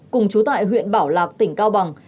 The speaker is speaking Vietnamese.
cùng chú tại huyện bảo lạc tỉnh cao bằng